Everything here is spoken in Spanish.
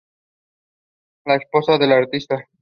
La esposa del artista